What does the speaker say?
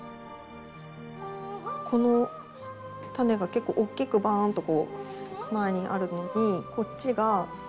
この種が結構おっきくバーンとこう前にあるのにこっちが。